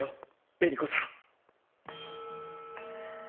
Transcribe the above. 紅子さん。